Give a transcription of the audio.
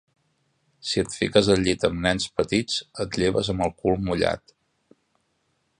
Si et fiques al llit amb nens petits, et lleves amb el cul mullat.